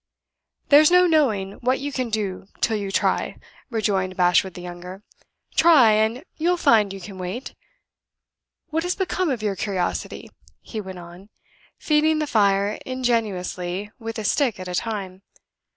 "There's no knowing what you can do till you try," rejoined Bashwood the younger. "Try, and you'll find you can wait. What has become of your curiosity?" he went on, feeding the fire ingeniously with a stick at a time.